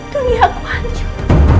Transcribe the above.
dunia aku hancur